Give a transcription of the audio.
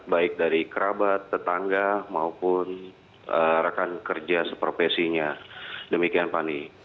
baik dari kerabat tetangga maupun rekan kerja seprofesinya demikian fani